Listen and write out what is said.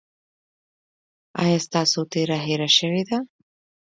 ایا ستاسو تیره هیره شوې ده؟